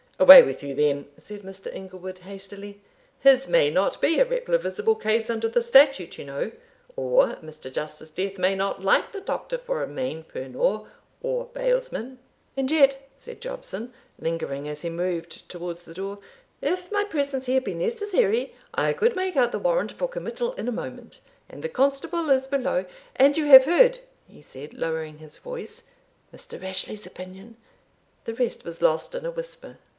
"Away with you, then," said Mr. Inglewood, hastily; "his may not be a replevisable case under the statute, you know, or Mr. Justice Death may not like the doctor for a main pernor, or bailsman." "And yet," said Jobson, lingering as he moved towards the door, "if my presence here be necessary I could make out the warrant for committal in a moment, and the constable is below And you have heard," he said, lowering his voice, "Mr. Rashleigh's opinion" the rest was lost in a whisper.